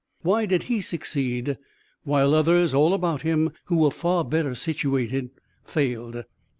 Why did he succeed, while others all about him who were far better situated, failed?